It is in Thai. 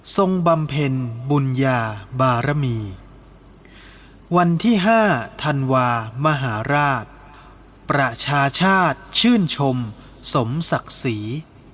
บำเพ็ญบุญญาบารมีวันที่๕ธันวามหาราชประชาชาติชื่นชมสมศักดิ์ศรี